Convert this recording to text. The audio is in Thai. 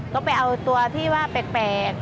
ก็ไปเอาตัวที่ว่าแปลก